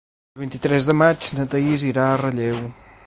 El vint-i-tres de maig na Thaís irà a Relleu.